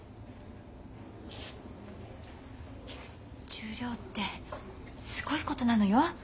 十両ってすごいことなのよ？